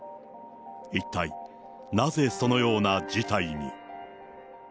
一体なぜそのような事態に。